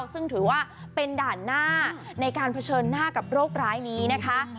ซึ่งถือว่าเป็นด่านหน้าในการเผชิญหน้ากับโรคร้ายนี้นะคะ